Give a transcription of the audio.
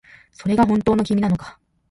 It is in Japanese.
それが本当の君なのか